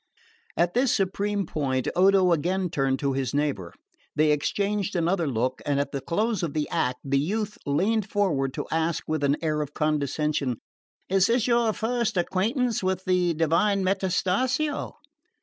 at this supreme point Odo again turned to his neighbour. They exchanged another look, and at the close of the act the youth leaned forward to ask with an air of condescension: "Is this your first acquaintance with the divine Metastasio?"